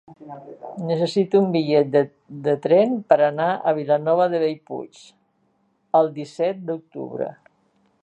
Necessito un bitllet de tren per anar a Vilanova de Bellpuig el disset d'octubre.